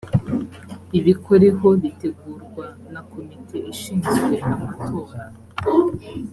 ibikoreho bitegurwa na komite ishinzwe amatora